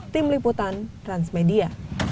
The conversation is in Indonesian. tim liputan transmedia